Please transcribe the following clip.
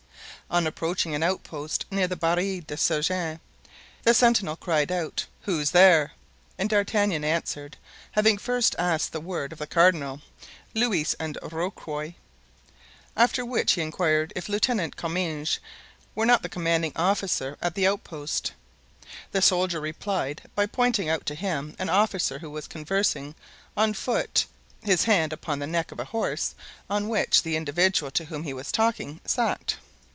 On approaching an outpost near the Barriere des Sergens, the sentinel cried out, "Who's there?" and D'Artagnan answered—having first asked the word of the cardinal—"Louis and Rocroy." After which he inquired if Lieutenant Comminges were not the commanding officer at the outpost. The soldier replied by pointing out to him an officer who was conversing, on foot, his hand upon the neck of a horse on which the individual to whom he was talking sat.